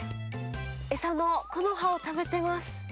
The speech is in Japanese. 餌の木の葉を食べてます。